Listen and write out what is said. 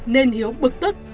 nên hiếu bực tức